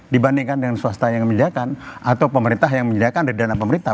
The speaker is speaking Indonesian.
dibandingkan dengan swasta yang menyediakan atau pemerintah yang menyediakan dana pemerintah